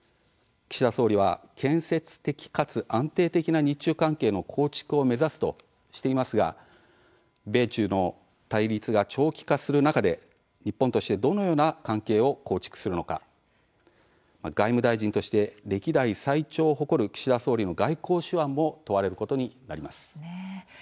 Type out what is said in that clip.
岸田総理は建設的かつ安定的な日中関係の構築を目指すとしていますが米中の対立が長期化する中で日本としてどのような関係を構築するのか外務大臣として歴代最長を誇る岸田総理の外交手腕も問われることになります。